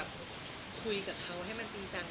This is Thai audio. คุยกับเขาให้มันจริงจัง